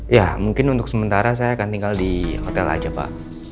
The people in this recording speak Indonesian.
ya mungkin untuk sementara saya akan tinggal di hotel aja pak